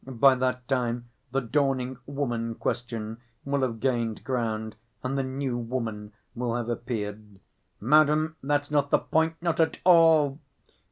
By that time the dawning woman question will have gained ground, and the new woman will have appeared." "Madam, that's not the point, not at all...."